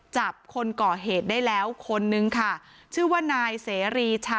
จับคนก่อเหตุได้แล้วคนนึงค่ะชื่อว่านายเสรีชะ